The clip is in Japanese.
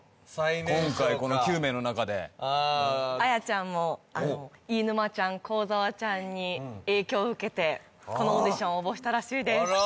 今回この９名の中で最年少か彩ちゃんも飯沼ちゃん幸澤ちゃんに影響を受けてこのオーディション応募したらしいです